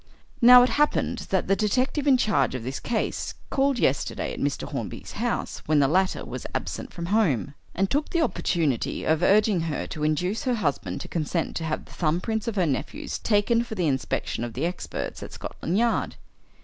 Now it happened that the detective in charge of this case called yesterday at Mr. Hornby's house when the latter was absent from home, and took the opportunity of urging her to induce her husband to consent to have the thumb prints of her nephews taken for the inspection of the experts at Scotland Yard.